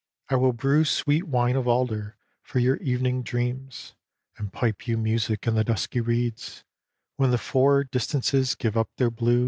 I will brew Sweet wine of alder for your evening dreams, And pipe you music in the dusky reeds When the four distances give up their blue.